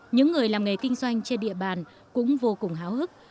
những người làm nghề kinh doanh trên địa bàn cũng vô cùng háo hức